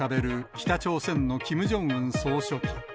北朝鮮のキム・ジョンウン総書記。